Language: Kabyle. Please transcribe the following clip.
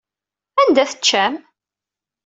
Anda teččam?